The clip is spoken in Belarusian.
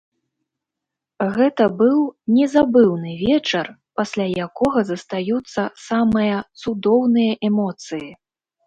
Гэта быў незабыўны вечар, пасля якога застаюцца самыя цудоўныя эмоцыі!